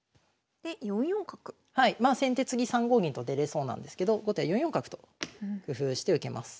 まあ先手次３五銀と出れそうなんですけど後手は４四角と工夫して受けます。